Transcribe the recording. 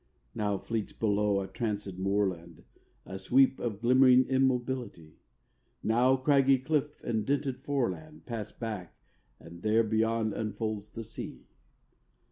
Now fleets below a tranc├©d moorland, A sweep of glimmering immobility; Now craggy cliff and dented foreland Pass back and there beyond unfolds the sea.